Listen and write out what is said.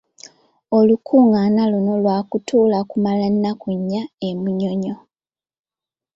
Olukungaana luno lwakutuula okumala ennaku nnya e Munyonyo.